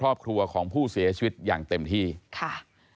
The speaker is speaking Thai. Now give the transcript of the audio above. ก็มีการออกรูปรวมปัญญาหลักฐานออกมาจับได้ทั้งหมด